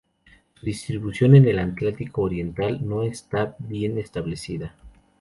Su distribución en el Atlántico oriental no está bien establecida.